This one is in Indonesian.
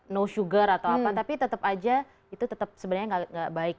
no sugar atau apa tapi tetap aja itu tetap sebenarnya nggak baik